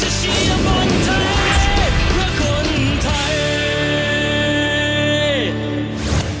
เราจะเชียร์บอลไทย